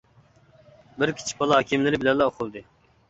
بىر كىچىك بالا كىيىملىرى بىلەنلا ئۇخلىدى.